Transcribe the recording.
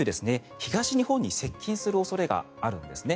東日本に接近する恐れがあるんですね。